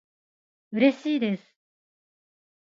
うれしいです